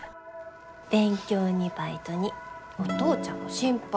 勉強にバイトにお父ちゃんの心配